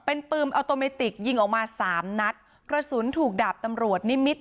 เป็นปืนออโตเมติกยิงออกมาสามนัดกระสุนถูกดาบตำรวจนิมิตร